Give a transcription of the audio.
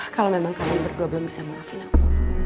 kalau memang kamu bergobel bisa maafin aku